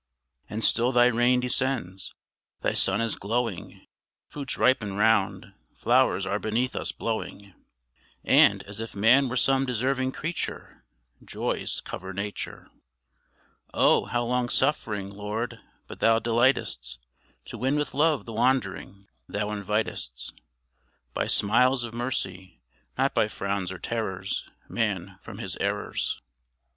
And still Thy rain descends, Thy sun is glowing, Fruits ripen round, flowers are beneath us blowing, And, as if man were some deserving creature, Joys cover nature. Oh, how long suffering, Lord! but Thou delightest To win with love the wandering; Thou invitest By smiles of mercy, not by frowns or terrors, Man from his errors.